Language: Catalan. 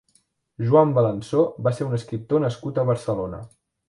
Juan Balansó va ser un escriptor nascut a Barcelona.